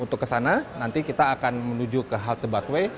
untuk ke sana nanti kita akan menuju ke halte busway